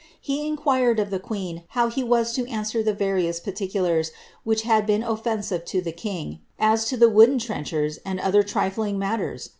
Ht inquired of the queen how he was to answer the various particulars which had been offensive to the king, as to the wooden trenchers, and other trifling matters